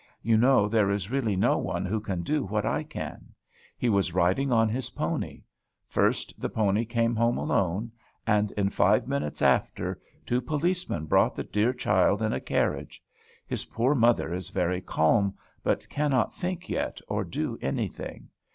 You know there is really no one who can do what I can. He was riding on his pony. First the pony came home alone; and, in five minutes after, two policemen brought the dear child in a carriage. His poor mother is very calm, but cannot think yet, or do anything.